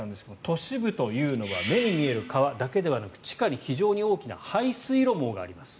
都市部というのは目に見える川だけではなく地下に非常に大きな排水路網があります。